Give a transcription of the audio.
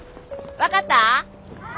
分かった？